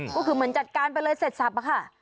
ก็คือเหมือนจัดการไปเลยเสร็จสับอะค่ะ